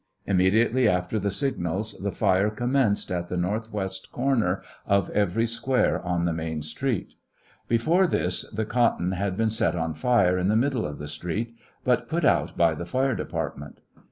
Immediately after the sig nals the fire commenced at the northwest corner of every square on the main street. Before this the cot ton had been set on fire in the middle of the street, but put out by the flre department.